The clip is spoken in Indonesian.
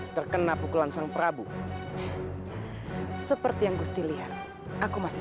terkena pukulan sang prabu seperti yang gusti lihat aku masih